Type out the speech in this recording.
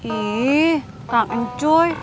ih kak ncuy